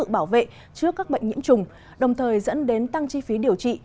bảo vệ trước các bệnh nhiễm trùng đồng thời dẫn đến tăng chi phí điều trị